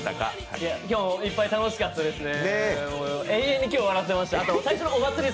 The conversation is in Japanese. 今日もいっぱい楽しかったですね。